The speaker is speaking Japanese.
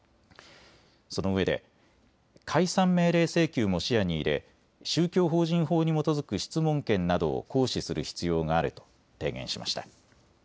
そのうえで解散命令請求も視野に入れ宗教法人法に基づく質問権などを行使する必要があると提言しました。